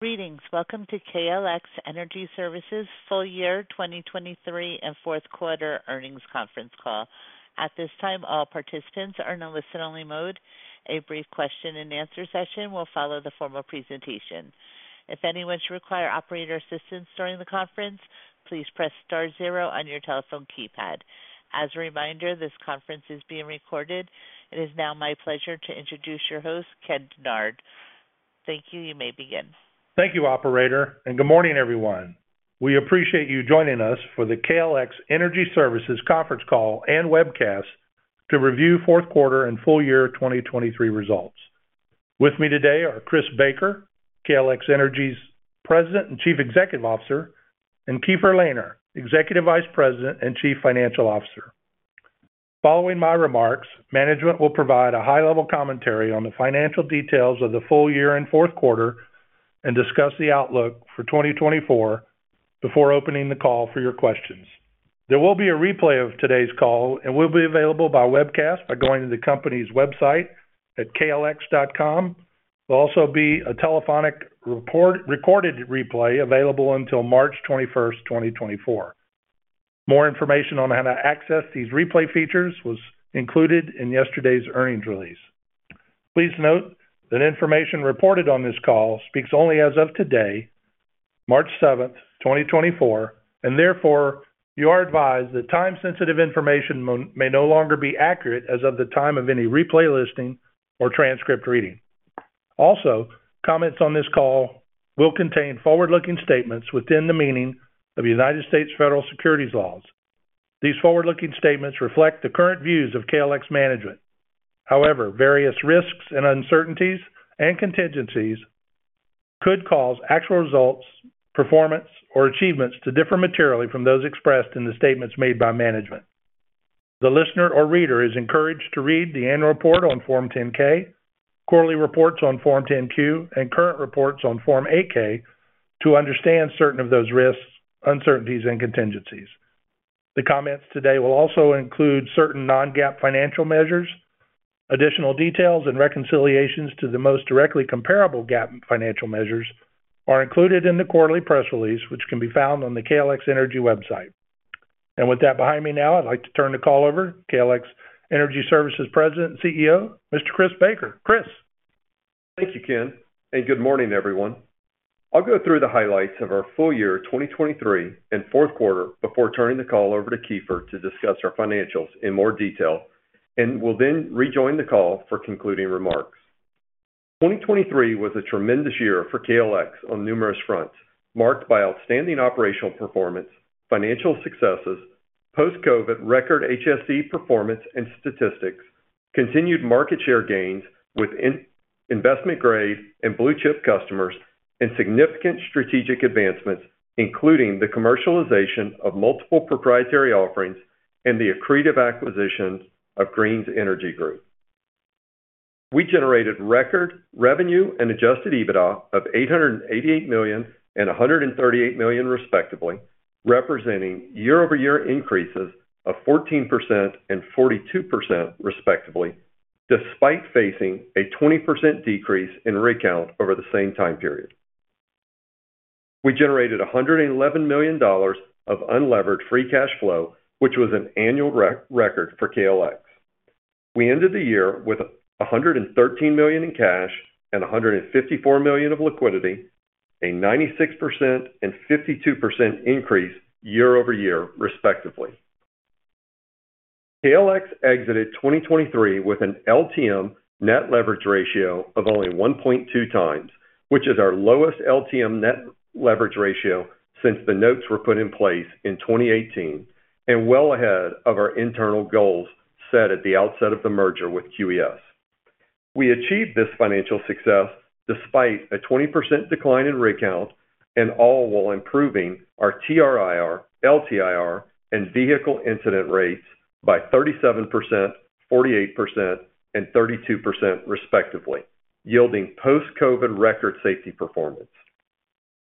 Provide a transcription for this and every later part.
Greetings. Welcome to KLX Energy Services full-year 2023 and fourth quarter earnings conference call. At this time, all participants are in a listen-only mode. A brief question-and-answer session will follow the formal presentation. If anyone should require operator assistance during the conference, please press star zero on your telephone keypad. As a reminder, this conference is being recorded. It is now my pleasure to introduce your host, Ken Dennard. Thank you. You may begin. Thank you, operator, and good morning, everyone. We appreciate you joining us for the KLX Energy Services conference call and webcast to review fourth quarter and full-year 2023 results. With me today are Chris Baker, KLX Energy's President and Chief Executive Officer, and Keefer Lehner, Executive Vice President and Chief Financial Officer. Following my remarks, management will provide a high-level commentary on the financial details of the full year and fourth quarter and discuss the outlook for 2024 before opening the call for your questions. There will be a replay of today's call, and we'll be available by webcast by going to the company's website at klx.com. There'll also be a telephonic recorded replay available until March 21st, 2024. More information on how to access these replay features was included in yesterday's earnings release. Please note that information reported on this call speaks only as of today, March 7th, 2024, and therefore you are advised that time-sensitive information may no longer be accurate as of the time of any replay listing or transcript reading. Also, comments on this call will contain forward-looking statements within the meaning of United States federal securities laws. These forward-looking statements reflect the current views of KLX management. However, various risks and uncertainties and contingencies could cause actual results, performance, or achievements to differ materially from those expressed in the statements made by management. The listener or reader is encouraged to read the annual report on Form 10-K, quarterly reports on Form 10-Q, and current reports on Form 8-K to understand certain of those risks, uncertainties, and contingencies. The comments today will also include certain non-GAAP financial measures. Additional details and reconciliations to the most directly comparable GAAP financial measures are included in the quarterly press release, which can be found on the KLX Energy website. With that behind me now, I'd like to turn the call over to KLX Energy Services President and CEO, Mr. Chris Baker. Chris. Thank you, Ken, and good morning, everyone. I'll go through the highlights of our full year 2023 and fourth quarter before turning the call over to Keefer to discuss our financials in more detail, and we'll then rejoin the call for concluding remarks. 2023 was a tremendous year for KLX on numerous fronts, marked by outstanding operational performance, financial successes, post-COVID record HSE performance and statistics, continued market share gains with investment-grade and blue-chip customers, and significant strategic advancements, including the commercialization of multiple proprietary offerings and the accretive acquisition of Greene’s Energy Group. We generated record revenue and Adjusted EBITDA of $888 million and $138 million, respectively, representing year-over-year increases of 14% and 42%, respectively, despite facing a 20% decrease in rig count over the same time period. We generated $111 million of unlevered free cash flow, which was an annual record for KLX. We ended the year with $113 million in cash and $154 million of liquidity, a 96% and 52% increase year-over-year, respectively. KLX exited 2023 with an LTM net leverage ratio of only 1.2 times, which is our lowest LTM net leverage ratio since the notes were put in place in 2018, and well ahead of our internal goals set at the outset of the merger with QES. We achieved this financial success despite a 20% decline in rig count and all while improving our TRIR, LTIR, and vehicle incident rates by 37%, 48%, and 32%, respectively, yielding post-COVID record safety performance.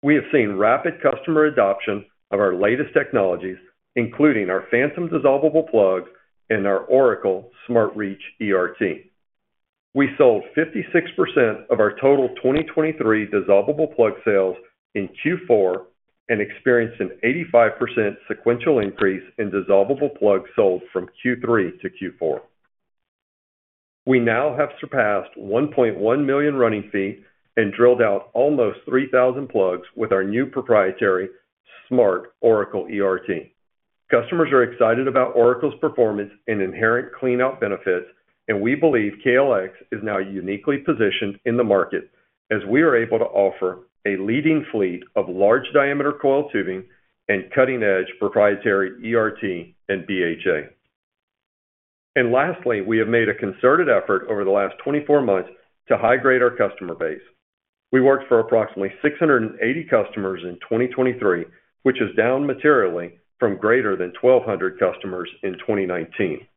We have seen rapid customer adoption of our latest technologies, including our Phantom dissolvable plugs and our Oracle SmartReach ERT. We sold 56% of our total 2023 dissolvable plug sales in Q4 and experienced an 85% sequential increase in dissolvable plugs sold from Q3 to Q4. We now have surpassed 1.1 million running feet and drilled out almost 3,000 plugs with our new proprietary Oracle SmartReach ERT. Customers are excited about Oracle's performance and inherent clean-out benefits, and we believe KLX is now uniquely positioned in the market as we are able to offer a leading fleet of large-diameter coiled tubing and cutting-edge proprietary ERT and BHA. And lastly, we have made a concerted effort over the last 24 months to high-grade our customer base. We worked for approximately 680 customers in 2023, which is down materially from greater than 1,200 customers in 2019.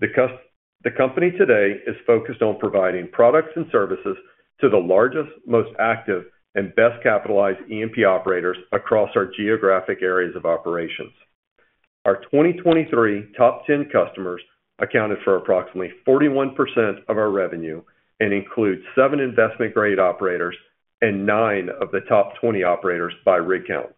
The company today is focused on providing products and services to the largest, most active, and best-capitalized E&P operators across our geographic areas of operations. Our 2023 top 10 customers accounted for approximately 41% of our revenue and include 7 investment-grade operators and 9 of the top 20 operators by rig count.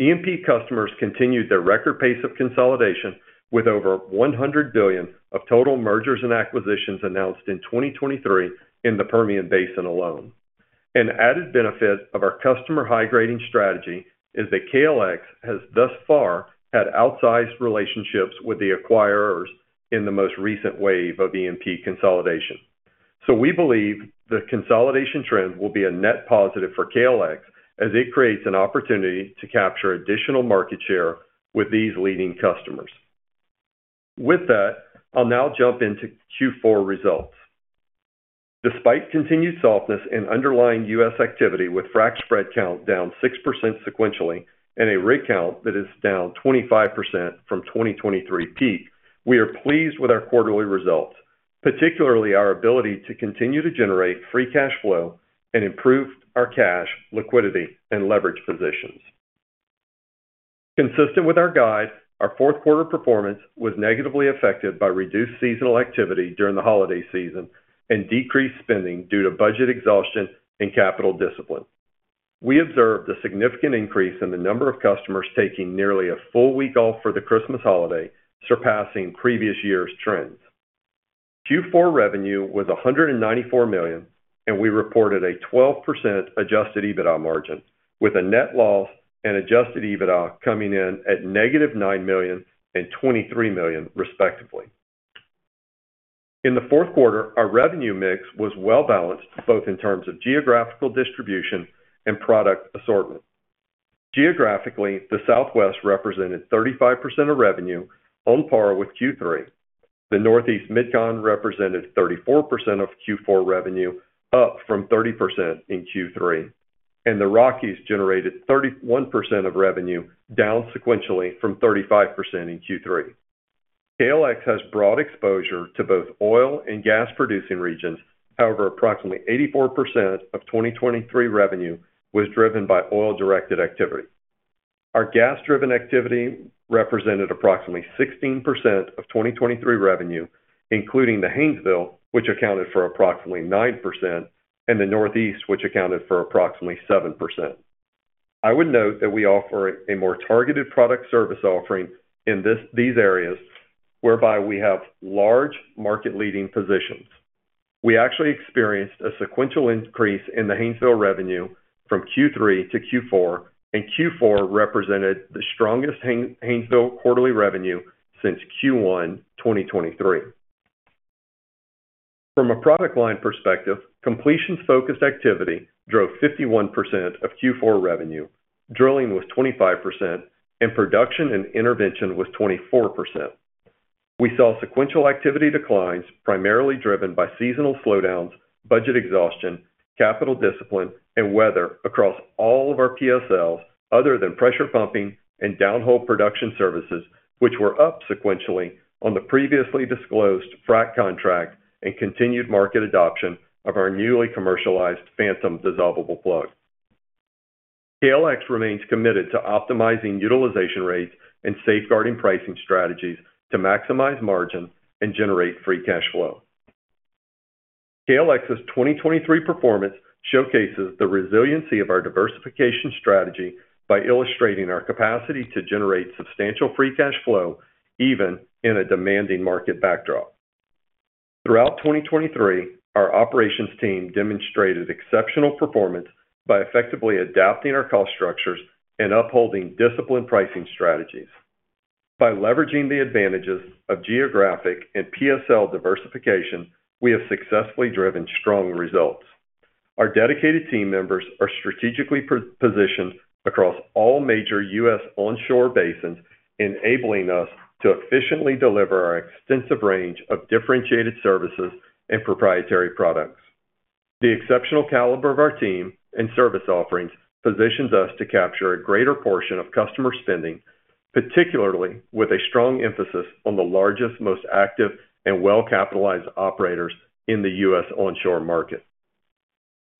E&P customers continued their record pace of consolidation with over $100 billion of total mergers and acquisitions announced in 2023 in the Permian Basin alone. An added benefit of our customer high-grading strategy is that KLX has thus far had outsized relationships with the acquirers in the most recent wave of E&P consolidation. So we believe the consolidation trend will be a net positive for KLX as it creates an opportunity to capture additional market share with these leading customers. With that, I'll now jump into Q4 results. Despite continued softness in underlying U.S. activity with frac spread count down 6% sequentially and a rig count that is down 25% from 2023 peak, we are pleased with our quarterly results, particularly our ability to continue to generate free cash flow and improve our cash, liquidity, and leverage positions. Consistent with our guide, our fourth quarter performance was negatively affected by reduced seasonal activity during the holiday season and decreased spending due to budget exhaustion and capital discipline. We observed a significant increase in the number of customers taking nearly a full week off for the Christmas holiday, surpassing previous year's trends. Q4 revenue was $194 million, and we reported a 12% Adjusted EBITDA margin, with a net loss and Adjusted EBITDA coming in at -$9 million and $23 million, respectively. In the fourth quarter, our revenue mix was well-balanced both in terms of geographical distribution and product assortment. Geographically, the Southwest represented 35% of revenue, on par with Q3. The Northeast Mid-Con represented 34% of Q4 revenue, up from 30% in Q3. The Rockies generated 31% of revenue, down sequentially from 35% in Q3. KLX has broad exposure to both oil and gas-producing regions. However, approximately 84% of 2023 revenue was driven by oil-directed activity. Our gas-driven activity represented approximately 16% of 2023 revenue, including the Haynesville, which accounted for approximately 9%, and the Northeast, which accounted for approximately 7%. I would note that we offer a more targeted product-service offering in these areas, whereby we have large market-leading positions. We actually experienced a sequential increase in the Haynesville revenue from Q3 to Q4, and Q4 represented the strongest Haynesville quarterly revenue since Q1 2023. From a product line perspective, completions-focused activity drove 51% of Q4 revenue, drilling was 25%, and production and intervention was 24%. We saw sequential activity declines primarily driven by seasonal slowdowns, budget exhaustion, capital discipline, and weather across all of our PSLs other than pressure pumping and downhole production services, which were up sequentially on the previously disclosed frac contract and continued market adoption of our newly commercialized Phantom dissolvable plug. KLX remains committed to optimizing utilization rates and safeguarding pricing strategies to maximize margin and generate free cash flow. KLX's 2023 performance showcases the resiliency of our diversification strategy by illustrating our capacity to generate substantial free cash flow even in a demanding market backdrop. Throughout 2023, our operations team demonstrated exceptional performance by effectively adapting our cost structures and upholding disciplined pricing strategies. By leveraging the advantages of geographic and PSL diversification, we have successfully driven strong results. Our dedicated team members are strategically positioned across all major U.S. onshore basins, enabling us to efficiently deliver our extensive range of differentiated services and proprietary products. The exceptional caliber of our team and service offerings positions us to capture a greater portion of customer spending, particularly with a strong emphasis on the largest, most active, and well-capitalized operators in the U.S. onshore market.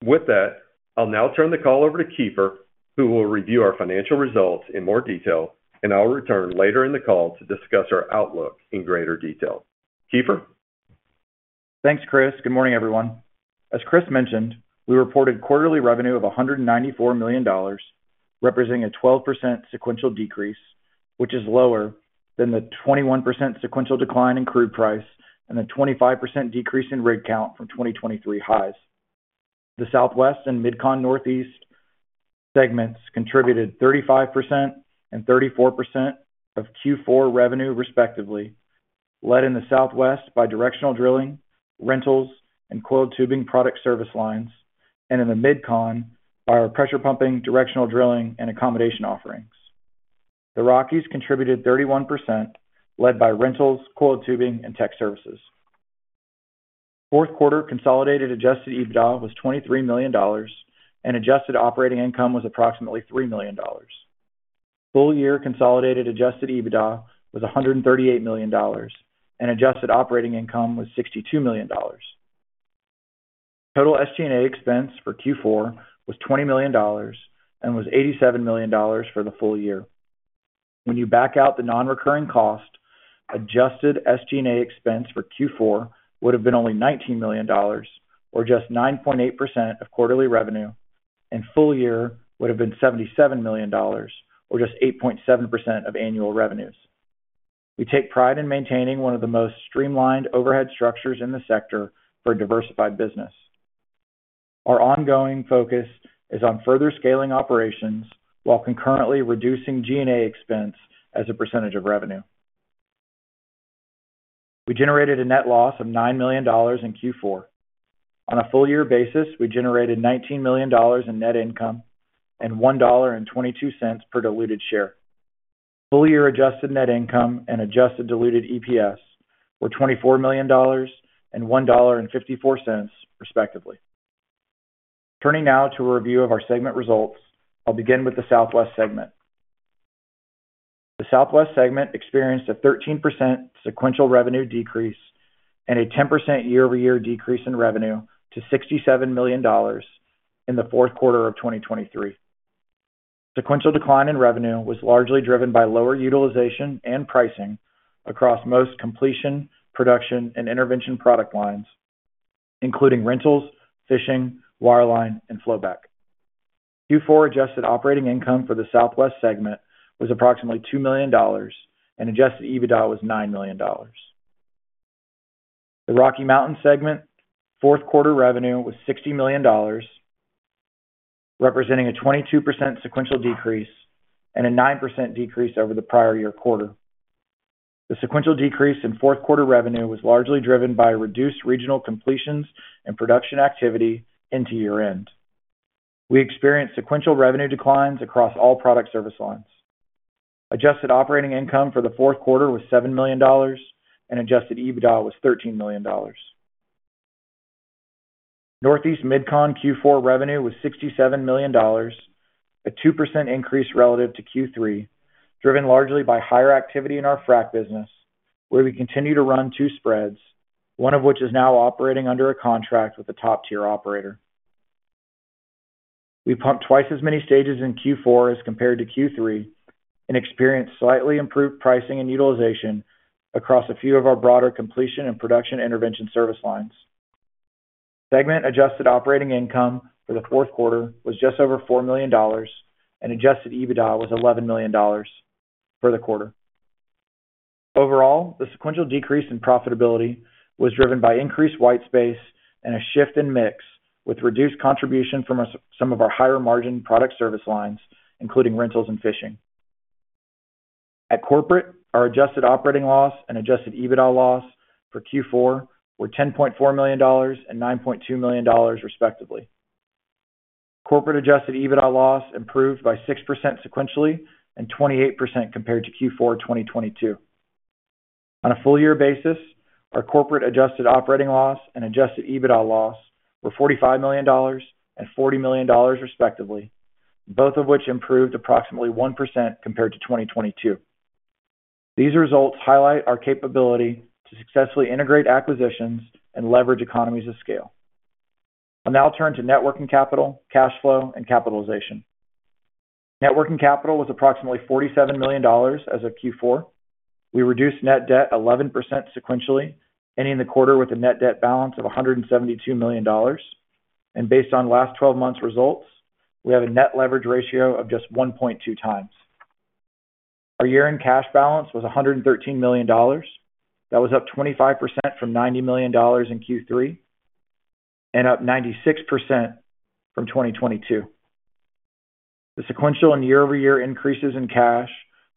With that, I'll now turn the call over to Keefer, who will review our financial results in more detail, and I'll return later in the call to discuss our outlook in greater detail. Keefer? Thanks, Chris. Good morning, everyone. As Chris mentioned, we reported quarterly revenue of $194 million, representing a 12% sequential decrease, which is lower than the 21% sequential decline in crude price and the 25% decrease in rig count from 2023 highs. The Southwest and Mid-Con Northeast segments contributed 35% and 34% of Q4 revenue, respectively, led in the Southwest by directional drilling, rentals, and coiled tubing product service lines, and in the Mid-Con by our pressure pumping, directional drilling, and accommodation offerings. The Rockies contributed 31%, led by rentals, coiled tubing, and tech services. Fourth quarter consolidated adjusted EBITDA was $23 million, and adjusted operating income was approximately $3 million. Full year consolidated Adjusted EBITDA was $138 million, and adjusted operating income was $62 million. Total SG&A expense for Q4 was $20 million and was $87 million for the full year. When you back out the non-recurring cost, adjusted SG&A expense for Q4 would have been only $19 million, or just 9.8% of quarterly revenue, and full year would have been $77 million, or just 8.7% of annual revenues. We take pride in maintaining one of the most streamlined overhead structures in the sector for a diversified business. Our ongoing focus is on further scaling operations while concurrently reducing G&A expense as a percentage of revenue. We generated a net loss of $9 million in Q4. On a full year basis, we generated $19 million in net income and $1.22 per diluted share. Full year adjusted net income and adjusted diluted EPS were $24 million and $1.54, respectively. Turning now to a review of our segment results, I'll begin with the Southwest segment. The Southwest segment experienced a 13% sequential revenue decrease and a 10% year-over-year decrease in revenue to $67 million in the fourth quarter of 2023. Sequential decline in revenue was largely driven by lower utilization and pricing across most completion, production, and intervention product lines, including rentals, fishing, wireline, and flowback. Q4 adjusted operating income for the Southwest segment was approximately $2 million, and Adjusted EBITDA was $9 million. The Rocky Mountain segment's fourth quarter revenue was $60 million, representing a 22% sequential decrease and a 9% decrease over the prior year quarter. The sequential decrease in fourth quarter revenue was largely driven by reduced regional completions and production activity into year-end. We experienced sequential revenue declines across all product service lines. Adjusted operating income for the fourth quarter was $7 million, and Adjusted EBITDA was $13 million. Northeast, Mid-Con Q4 revenue was $67 million, a 2% increase relative to Q3, driven largely by higher activity in our frac business, where we continue to run two spreads, one of which is now operating under a contract with a top-tier operator. We pumped twice as many stages in Q4 as compared to Q3 and experienced slightly improved pricing and utilization across a few of our broader completion and production intervention service lines. Segment adjusted operating income for the fourth quarter was just over $4 million, and Adjusted EBITDA was $11 million for the quarter. Overall, the sequential decrease in profitability was driven by increased white space and a shift in mix with reduced contribution from some of our higher-margin product service lines, including rentals and fishing. At corporate, our adjusted operating loss and Adjusted EBITDA loss for Q4 were $10.4 million and $9.2 million, respectively. Corporate Adjusted EBITDA loss improved by 6% sequentially and 28% compared to Q4 2022. On a full year basis, our corporate adjusted operating loss and Adjusted EBITDA loss were $45 million and $40 million, respectively, both of which improved approximately 1% compared to 2022. These results highlight our capability to successfully integrate acquisitions and leverage economies of scale. I'll now turn to working capital, cash flow, and capitalization. Working capital was approximately $47 million as of Q4. We reduced net debt 11% sequentially, ending the quarter with a net debt balance of $172 million. And based on last 12 months' results, we have a net leverage ratio of just 1.2x. Our year-end cash balance was $113 million. That was up 25% from $90 million in Q3 and up 96% from 2022. The sequential and year-over-year increases in cash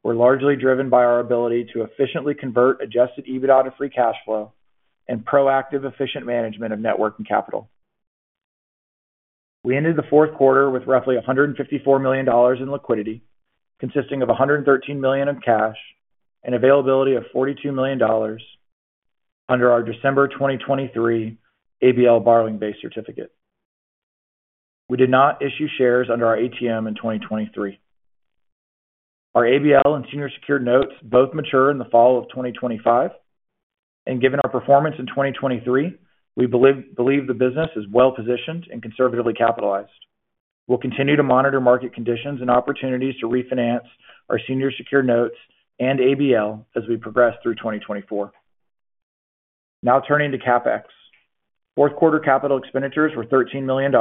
were largely driven by our ability to efficiently convert Adjusted EBITDA to free cash flow and proactive efficient management of working capital. We ended the fourth quarter with roughly $154 million in liquidity, consisting of $113 million in cash, and availability of $42 million under our December 2023 ABL borrowing base certificate. We did not issue shares under our ATM in 2023. Our ABL and senior secured notes both mature in the fall of 2025. Given our performance in 2023, we believe the business is well-positioned and conservatively capitalized. We'll continue to monitor market conditions and opportunities to refinance our senior secured notes and ABL as we progress through 2024. Now turning to CapEx. Fourth quarter capital expenditures were $13 million,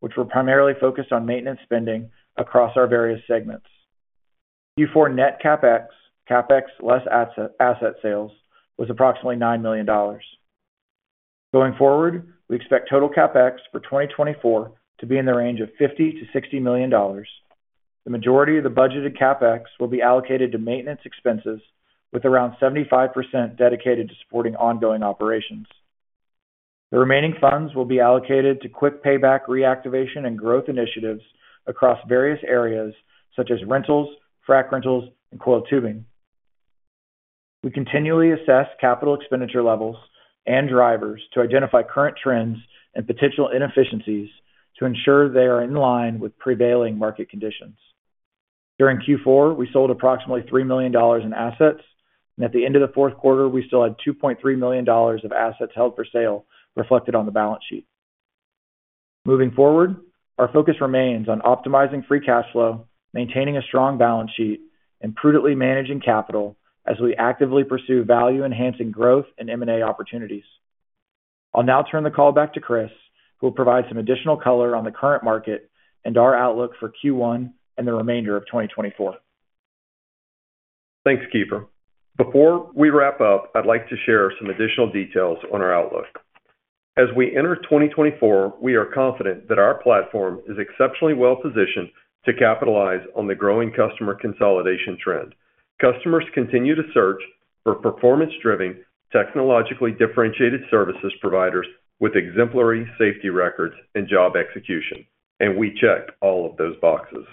which were primarily focused on maintenance spending across our various segments. Q4 net CapEx, CapEx less asset sales, was approximately $9 million. Going forward, we expect total CapEx for 2024 to be in the range of $50 million-$60 million. The majority of the budgeted CapEx will be allocated to maintenance expenses, with around 75% dedicated to supporting ongoing operations. The remaining funds will be allocated to quick payback reactivation and growth initiatives across various areas, such as rentals, frac rentals, and coiled tubing. We continually assess capital expenditure levels and drivers to identify current trends and potential inefficiencies to ensure they are in line with prevailing market conditions. During Q4, we sold approximately $3 million in assets, and at the end of the fourth quarter, we still had $2.3 million of assets held for sale, reflected on the balance sheet. Moving forward, our focus remains on optimizing free cash flow, maintaining a strong balance sheet, and prudently managing capital as we actively pursue value-enhancing growth and M&A opportunities. I'll now turn the call back to Chris, who will provide some additional color on the current market and our outlook for Q1 and the remainder of 2024. Thanks, Keefer. Before we wrap up, I'd like to share some additional details on our outlook. As we enter 2024, we are confident that our platform is exceptionally well-positioned to capitalize on the growing customer consolidation trend. Customers continue to search for performance-driven, technologically differentiated services providers with exemplary safety records and job execution, and we check all of those boxes.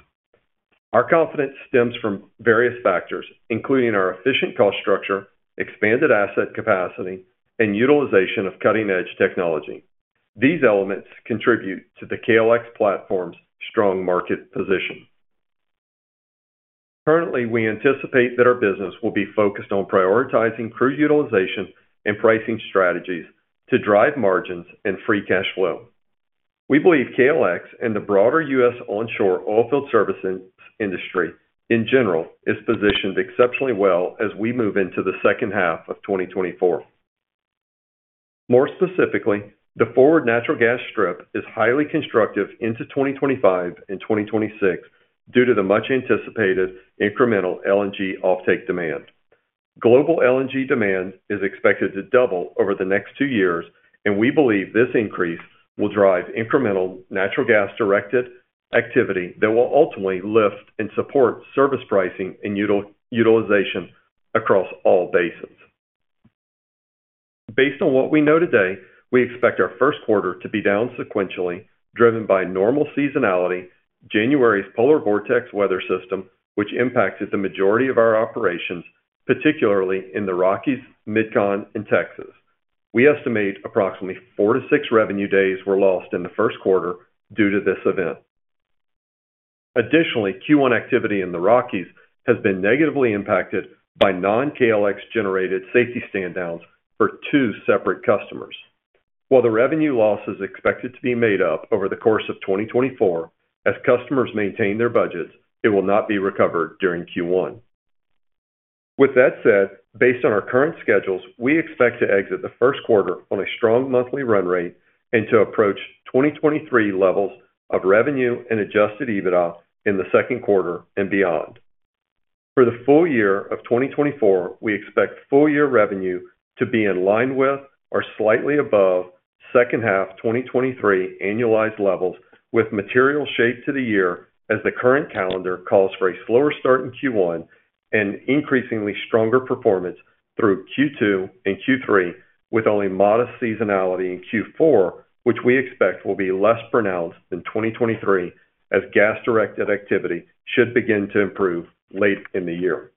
Our confidence stems from various factors, including our efficient cost structure, expanded asset capacity, and utilization of cutting-edge technology. These elements contribute to the KLX platform's strong market position. Currently, we anticipate that our business will be focused on prioritizing crude utilization and pricing strategies to drive margins and free cash flow. We believe KLX and the broader U.S. onshore oilfield service industry, in general, is positioned exceptionally well as we move into the second half of 2024. More specifically, the forward natural gas strip is highly constructive into 2025 and 2026 due to the much-anticipated incremental LNG offtake demand. Global LNG demand is expected to double over the next two years, and we believe this increase will drive incremental natural gas-directed activity that will ultimately lift and support service pricing and utilization across all basins. Based on what we know today, we expect our first quarter to be down sequentially, driven by normal seasonality, January's Polar Vortex weather system, which impacted the majority of our operations, particularly in the Rockies, Mid-Con, and Texas. We estimate approximately four-six revenue days were lost in the first quarter due to this event. Additionally, Q1 activity in the Rockies has been negatively impacted by non-KLX-generated safety stand-downs for two separate customers. While the revenue loss is expected to be made up over the course of 2024, as customers maintain their budgets, it will not be recovered during Q1. With that said, based on our current schedules, we expect to exit the first quarter on a strong monthly run rate and to approach 2023 levels of revenue and Adjusted EBITDA in the second quarter and beyond. For the full year of 2024, we expect full-year revenue to be in line with or slightly above second-half 2023 annualized levels, with material shape to the year as the current calendar calls for a slower start in Q1 and increasingly stronger performance through Q2 and Q3, with only modest seasonality in Q4, which we expect will be less pronounced than 2023 as gas-directed activity should begin to improve late in the year.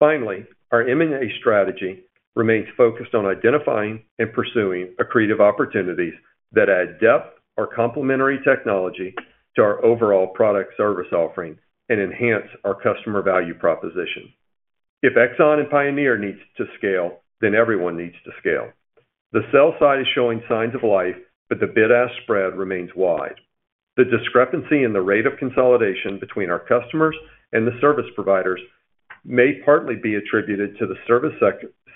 Finally, our M&A strategy remains focused on identifying and pursuing accretive opportunities that add depth or complementary technology to our overall product service offering and enhance our customer value proposition. If Exxon and Pioneer needs to scale, then everyone needs to scale. The sell side is showing signs of life, but the bid-ask spread remains wide. The discrepancy in the rate of consolidation between our customers and the service providers may partly be attributed to the service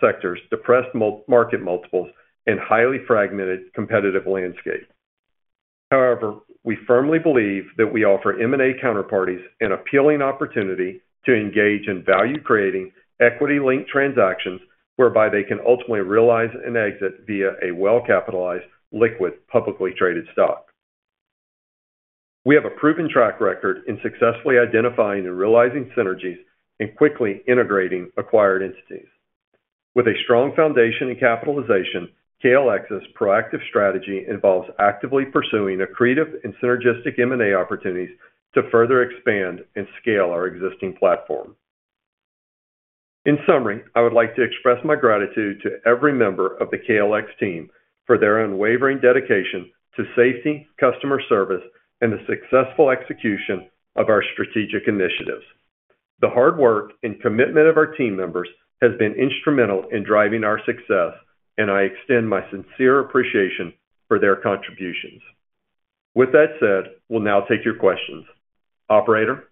sector's depressed market multiples and highly fragmented competitive landscape. However, we firmly believe that we offer M&A counterparties an appealing opportunity to engage in value-creating, equity-linked transactions whereby they can ultimately realize an exit via a well-capitalized, liquid, publicly traded stock. We have a proven track record in successfully identifying and realizing synergies and quickly integrating acquired entities. With a strong foundation and capitalization, KLX's proactive strategy involves actively pursuing accretive and synergistic M&A opportunities to further expand and scale our existing platform. In summary, I would like to express my gratitude to every member of the KLX team for their unwavering dedication to safety, customer service, and the successful execution of our strategic initiatives. The hard work and commitment of our team members has been instrumental in driving our success, and I extend my sincere appreciation for their contributions. With that said, we'll now take your questions. Operator?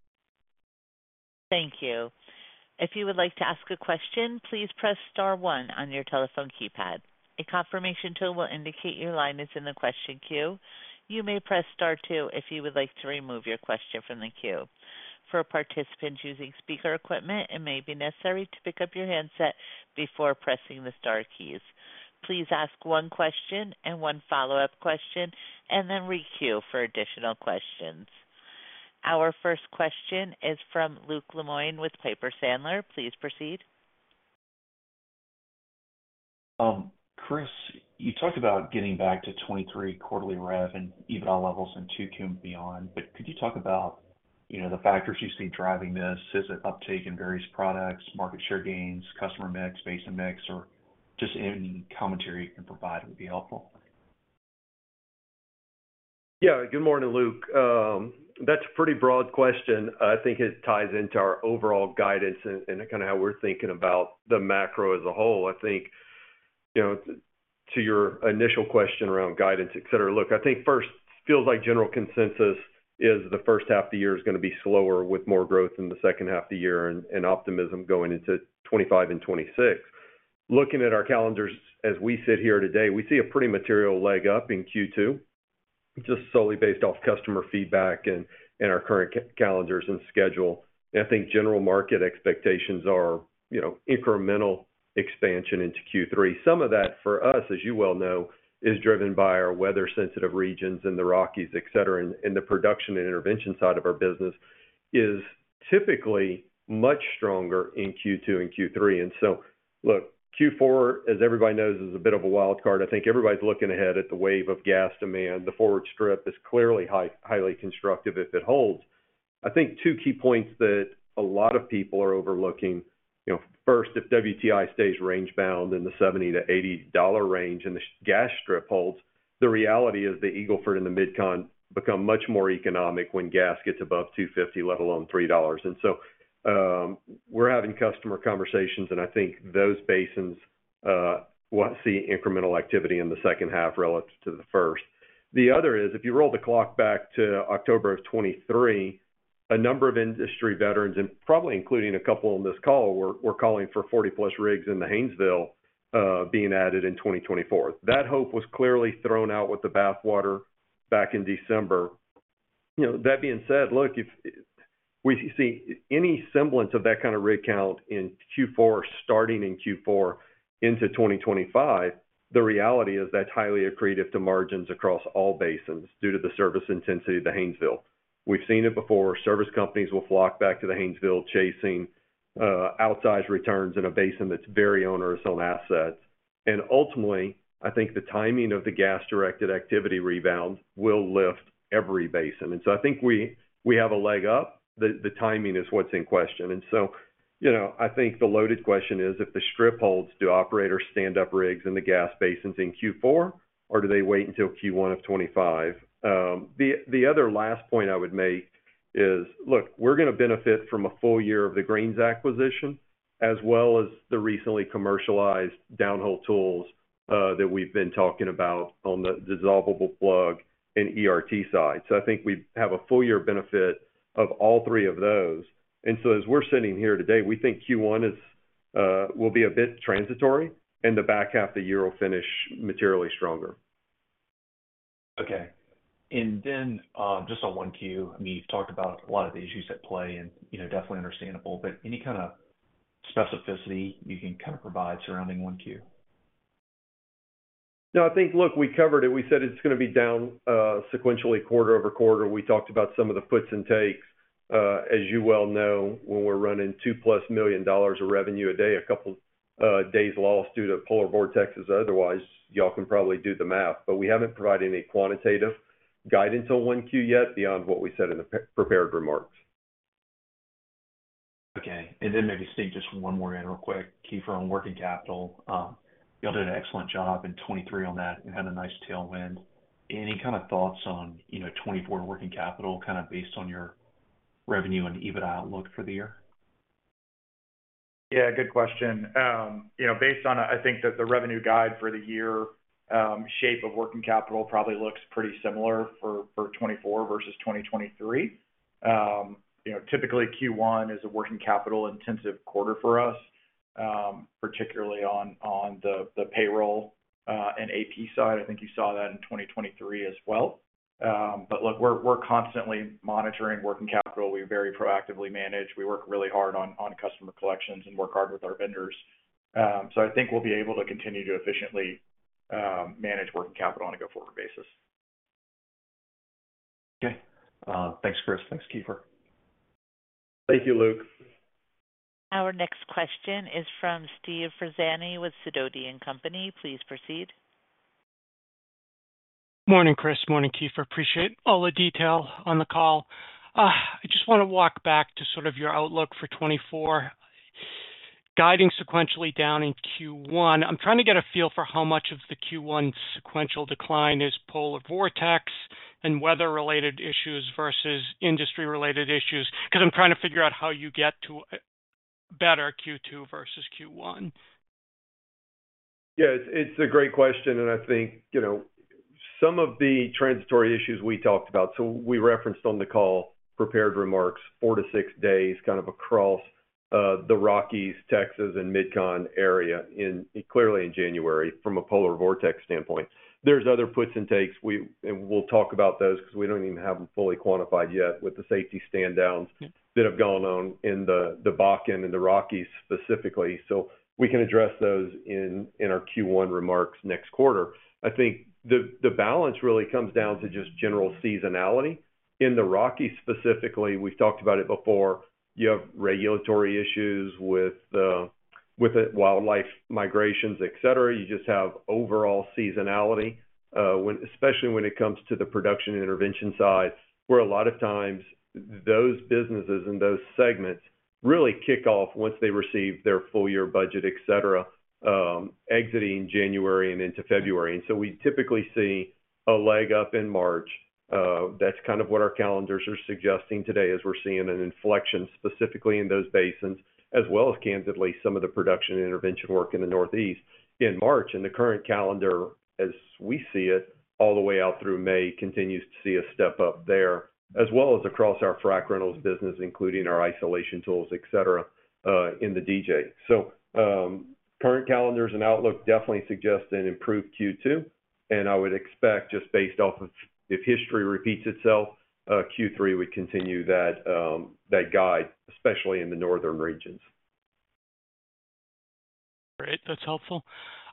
Thank you. If you would like to ask a question, please press star one on your telephone keypad. A confirmation tool will indicate your line is in the question queue. You may press star two if you would like to remove your question from the queue. For participants using speaker equipment, it may be necessary to pick up your handset before pressing the star keys. Please ask one question and one follow-up question, and then re-queue for additional questions. Our first question is from Luke Lemoine with Piper Sandler. Please proceed. Chris, you talked about getting back to 23 quarterly rev and EBITDA levels and 2Q and beyond, but could you talk about the factors you see driving this? Is it uptake in various products, market share gains, customer mix, basin mix, or just any commentary you can provide would be helpful? Yeah. Good morning, Luke. That's a pretty broad question. I think it ties into our overall guidance and kind of how we're thinking about the macro as a whole. I think, to your initial question around guidance, etc., look, I think first, it feels like general consensus is the first half of the year is going to be slower with more growth in the second half of the year and optimism going into 2025 and 2026. Looking at our calendars as we sit here today, we see a pretty material leg up in Q2, just solely based off customer feedback and our current calendars and schedule. And I think general market expectations are incremental expansion into Q3. Some of that, for us, as you well know, is driven by our weather-sensitive regions in the Rockies, etc., and the production and intervention side of our business is typically much stronger in Q2 and Q3. And so, look, Q4, as everybody knows, is a bit of a wild card. I think everybody's looking ahead at the wave of gas demand. The forward strip is clearly highly constructive if it holds. I think two key points that a lot of people are overlooking: first, if WTI stays range-bound in the $70-$80 range and the gas strip holds, the reality is the Eagle Ford and the Mid-Con become much more economic when gas gets above $2.50, let alone $3. And so we're having customer conversations, and I think those basins see incremental activity in the second half relative to the first. The other is, if you roll the clock back to October of 2023, a number of industry veterans, and probably including a couple on this call, were calling for 40-plus rigs in the Haynesville being added in 2024. That hope was clearly thrown out with the bathwater back in December. That being said, look, if we see any semblance of that kind of rig count in Q4, starting in Q4, into 2025, the reality is that's highly accretive to margins across all basins due to the service intensity of the Haynesville. We've seen it before. Service companies will flock back to the Haynesville chasing outsized returns in a basin that's very onerous on assets. And ultimately, I think the timing of the gas-directed activity rebound will lift every basin. And so I think we have a leg up. The timing is what's in question. I think the loaded question is, if the strip holds, do operators stand up rigs in the gas basins in Q4, or do they wait until Q1 of 2025? The other last point I would make is, look, we're going to benefit from a full year of the Greene's acquisition as well as the recently commercialized downhole tools that we've been talking about on the dissolvable plug and ERT side. So I think we have a full year benefit of all three of those. And so as we're sitting here today, we think Q1 will be a bit transitory, and the back half of the year will finish materially stronger. Okay. And then just on 1Q, I mean, you've talked about a lot of the issues at play, and definitely understandable, but any kind of specificity you can kind of provide surrounding 1Q? No, I think, look, we covered it. We said it's going to be down sequentially quarter-over-quarter. We talked about some of the puts and takes. As you well know, when we're running $2+ million of revenue a day, a couple of days lost due to Polar Vortexes, otherwise, y'all can probably do the math. But we haven't provided any quantitative guidance on 1Q yet beyond what we said in the prepared remarks. Okay. And then maybe speak just one more in real quick, Keefer, on working capital. You all did an excellent job in 2023 on that and had a nice tailwind. Any kind of thoughts on 2024 working capital, kind of based on your revenue and EBITDA outlook for the year? Yeah, good question. Based on, I think, the revenue guide for the year, shape of working capital probably looks pretty similar for 2024 versus 2023. Typically, Q1 is a working capital-intensive quarter for us, particularly on the payroll and AP side. I think you saw that in 2023 as well. But look, we're constantly monitoring working capital. We very proactively manage. We work really hard on customer collections and work hard with our vendors. So I think we'll be able to continue to efficiently manage working capital on a go forward basis. Okay. Thanks, Chris. Thanks, Keefer. Thank you, Luke. Our next question is from Steve Ferazani with Sidoti & Company. Please proceed. Morning, Chris. Morning, Keefer. Appreciate all the detail on the call. I just want to walk back to sort of your outlook for 2024, guiding sequentially down in Q1. I'm trying to get a feel for how much of the Q1 sequential decline is Polar Vortex and weather-related issues versus industry-related issues because I'm trying to figure out how you get to better Q2 versus Q1. Yeah, it's a great question. And I think some of the transitory issues we talked about, so we referenced on the call prepared remarks, four-six days kind of across the Rockies, Texas, and Mid-Con area, clearly in January from a Polar Vortex standpoint. There's other puts and takes, and we'll talk about those because we don't even have them fully quantified yet with the safety stand-downs that have gone on in the Bakken and the Rockies specifically. So we can address those in our Q1 remarks next quarter. I think the balance really comes down to just general seasonality. In the Rockies specifically, we've talked about it before, you have regulatory issues with wildlife migrations, etc. You just have overall seasonality, especially when it comes to the production intervention side where a lot of times those businesses and those segments really kick off once they receive their full-year budget, etc., exiting January and into February. So we typically see a leg up in March. That's kind of what our calendars are suggesting today as we're seeing an inflection specifically in those basins, as well as candidly some of the production intervention work in the Northeast in March. The current calendar, as we see it, all the way out through May continues to see a step up there, as well as across our frac rentals business, including our isolation tools, etc., in the DJ. Current calendars and outlook definitely suggest an improved Q2. I would expect, just based off of if history repeats itself, Q3 would continue that guide, especially in the northern regions. Great. That's helpful.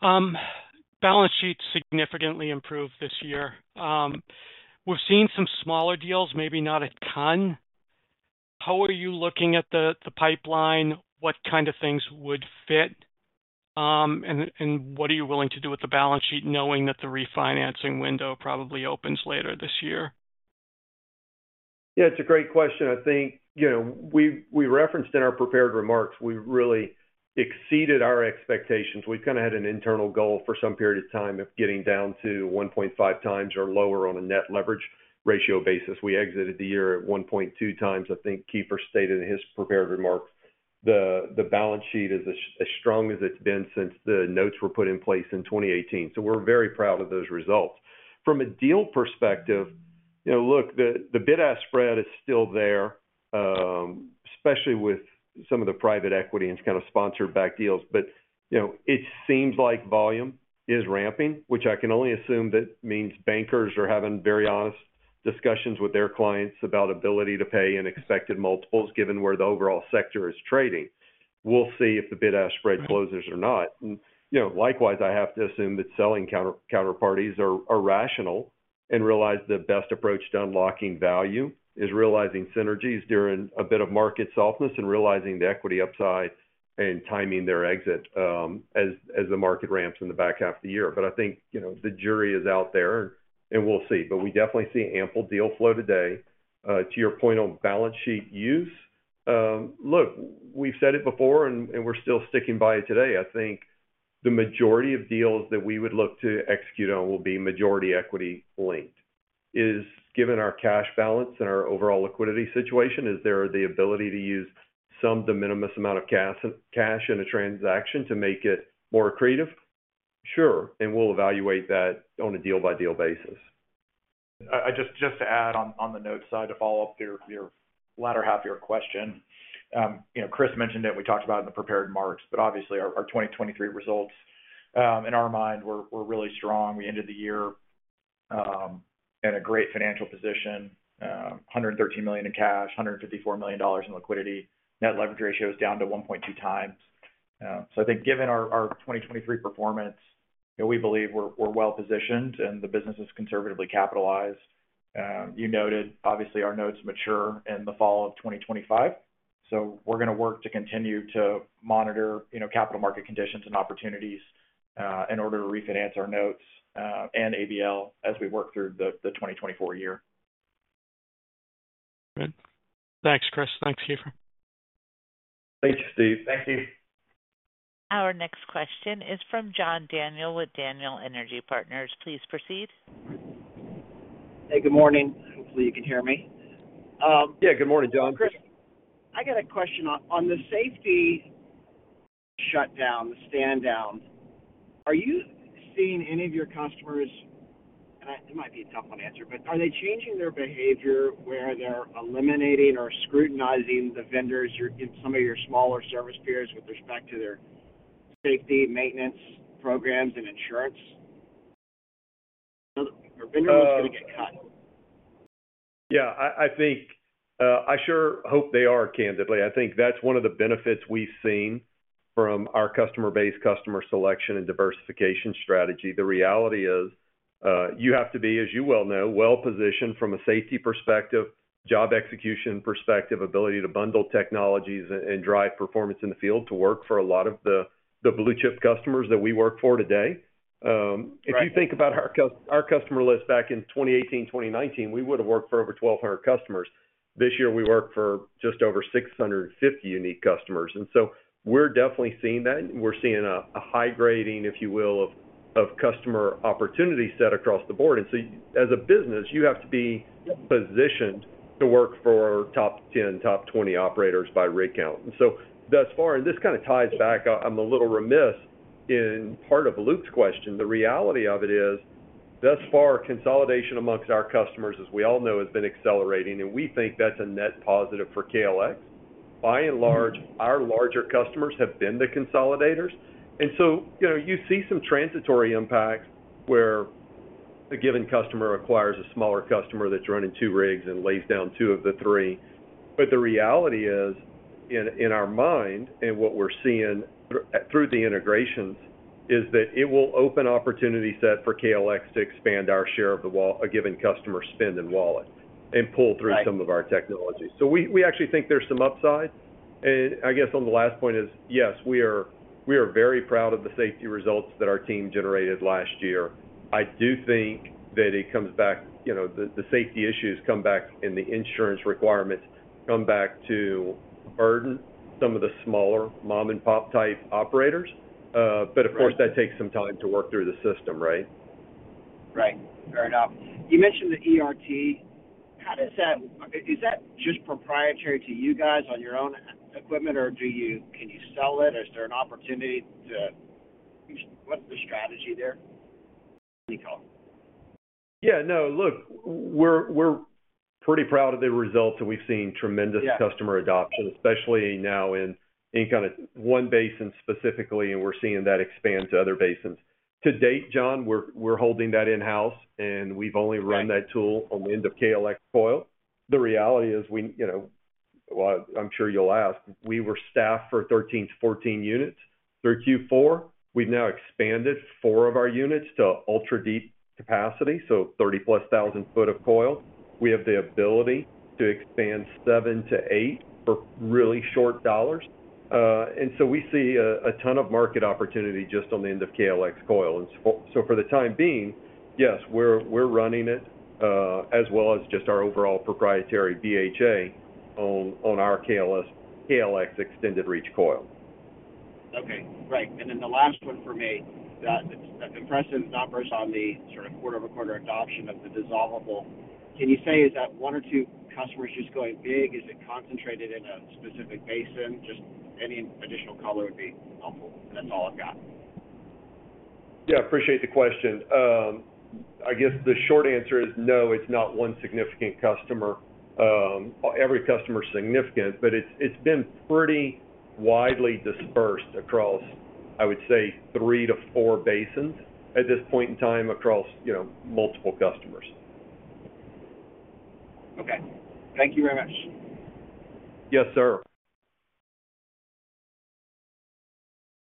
Balance sheets significantly improved this year. We've seen some smaller deals, maybe not a ton. How are you looking at the pipeline? What kind of things would fit? And what are you willing to do with the balance sheet, knowing that the refinancing window probably opens later this year? Yeah, it's a great question. I think we referenced in our prepared remarks, we really exceeded our expectations. We've kind of had an internal goal for some period of time of getting down to 1.5x or lower on a net leverage ratio basis. We exited the year at 1.2x, I think Keefer stated in his prepared remarks. The balance sheet is as strong as it's been since the notes were put in place in 2018. So we're very proud of those results. From a deal perspective, look, the bid-ask spread is still there, especially with some of the private equity and kind of sponsored-back deals. But it seems like volume is ramping, which I can only assume that means bankers are having very honest discussions with their clients about ability to pay unexpected multiples given where the overall sector is trading. We'll see if the bid-ask spread closes or not. And likewise, I have to assume that selling counterparties are rational and realize the best approach to unlocking value is realizing synergies during a bit of market softness and realizing the equity upside and timing their exit as the market ramps in the back half of the year. But I think the jury is out there, and we'll see. But we definitely see ample deal flow today. To your point on balance sheet use, look, we've said it before, and we're still sticking by it today. I think the majority of deals that we would look to execute on will be majority equity-linked. Is given our cash balance and our overall liquidity situation, is there the ability to use some de minimis amount of cash in a transaction to make it more accretive? Sure. We'll evaluate that on a deal-by-deal basis. Just to add on the notes side to follow up your latter half of your question, Chris mentioned it, and we talked about it in the prepared remarks, but obviously, our 2023 results, in our mind, were really strong. We ended the year in a great financial position, $113 million in cash, $154 million in liquidity. Net leverage ratio is down to 1.2 times. So I think given our 2023 performance, we believe we're well positioned, and the business is conservatively capitalized. You noted, obviously, our notes mature in the fall of 2025. So we're going to work to continue to monitor capital market conditions and opportunities in order to refinance our notes and ABL as we work through the 2024 year. Great. Thanks, Chris. Thanks, Keefer. Thanks, Steve. Thank you. Our next question is from John Daniel with Daniel Energy Partners. Please proceed. Hey, good morning. Hopefully, you can hear me. Yeah, good morning, John. Chris, I got a question. On the safety shutdown, the standdown, are you seeing any of your customers and it might be a tough one to answer, but are they changing their behavior where they're eliminating or scrutinizing the vendors in some of your smaller service peers with respect to their safety, maintenance programs, and insurance? Your vendor list is going to get cut. Yeah, I sure hope they are, candidly. I think that's one of the benefits we've seen from our customer-based customer selection and diversification strategy. The reality is you have to be, as you well know, well positioned from a safety perspective, job execution perspective, ability to bundle technologies and drive performance in the field to work for a lot of the blue-chip customers that we work for today. If you think about our customer list back in 2018, 2019, we would have worked for over 1,200 customers. This year, we work for just over 650 unique customers. And so we're definitely seeing that. We're seeing a high grading, if you will, of customer opportunity set across the board. And so as a business, you have to be positioned to work for top 10, top 20 operators by rig count. And so, thus far, and this kind of ties back, I'm a little remiss in part of Luke's question. The reality of it is, thus far, consolidation among our customers, as we all know, has been accelerating, and we think that's a net positive for KLX. By and large, our larger customers have been the consolidators. And so you see some transitory impacts where a given customer acquires a smaller customer that's running two rigs and lays down two of the three. But the reality is, in our mind and what we're seeing through the integrations, is that it will open opportunity set for KLX to expand our share of a given customer's spend and wallet and pull through some of our technology. So we actually think there's some upside. I guess on the last point is, yes, we are very proud of the safety results that our team generated last year. I do think that it comes back the safety issues come back, and the insurance requirements come back to burden some of the smaller mom-and-pop type operators. Of course, that takes some time to work through the system, right? Right. Fair enough. You mentioned the ERT. Is that just proprietary to you guys on your own equipment, or can you sell it? Is there an opportunity? What's the strategy there? Yeah. No, look, we're pretty proud of the results, and we've seen tremendous customer adoption, especially now in kind of one basin specifically, and we're seeing that expand to other basins. To date, John, we're holding that in-house, and we've only run that tool on the end of KLX coil. The reality is, well, I'm sure you'll ask, we were staffed for 13-14 units through Q4. We've now expanded four of our units to ultra-deep capacity, so 30+ thousand foot of coil. We have the ability to expand seven-eight for really short dollars. And so we see a ton of market opportunity just on the end of KLX coil. And so for the time being, yes, we're running it as well as just our overall proprietary BHA on our KLX extended reach coil. Okay. Right. And then the last one for me, the impression is not on the sort of quarter-over-quarter adoption of the dissolvable, can you say, is that one or two customers just going big? Is it concentrated in a specific basin? Just any additional color would be helpful. And that's all I've got. Yeah, appreciate the question. I guess the short answer is no, it's not one significant customer. Every customer is significant, but it's been pretty widely dispersed across, I would say, 3-4 basins at this point in time across multiple customers. Okay. Thank you very much. Yes, sir.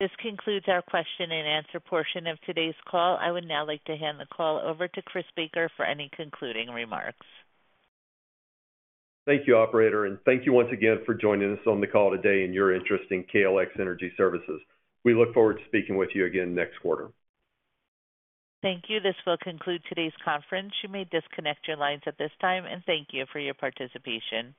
This concludes our question-and-answer portion of today's call. I would now like to hand the call over to Chris Baker for any concluding remarks. Thank you, operator. Thank you once again for joining us on the call today and your interest in KLX Energy Services. We look forward to speaking with you again next quarter. Thank you. This will conclude today's conference. You may disconnect your lines at this time, and thank you for your participation.